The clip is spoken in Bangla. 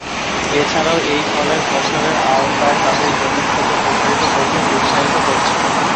এছাড়াও এই ফলের ফসলের আওতায় তাদের জমির ক্ষেত্র প্রসারিত করতেও উৎসাহিত করছে।